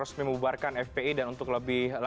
oke meskipun nanti segala